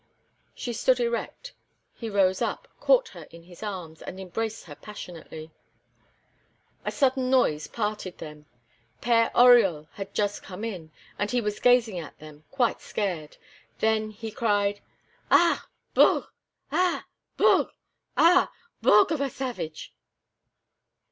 She stood erect; he rose up, caught her in his arms, and embraced her passionately. A sudden noise parted them; Père Oriol had just come in, and he was gazing at them, quite scared. Then, he cried: "Ah! bougrrre! ah! bougrrre! ah! bougrrre of a savage!"